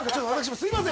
すいません。